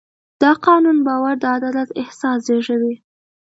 د قانون باور د عدالت احساس زېږوي.